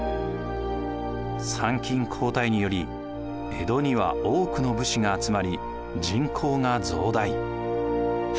参勤交代により江戸には多くの武士が集まり人口が増大。